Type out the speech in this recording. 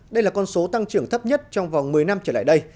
đây là con số tăng trưởng thấp nhất trong vòng một mươi năm trở lại đây